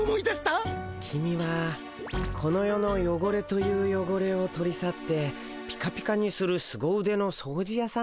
キミはこの世のよごれというよごれを取り去ってピカピカにするすご腕の掃除やさんだね。